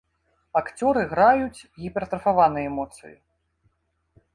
Акцёры граюць гіпертрафаваныя эмоцыі.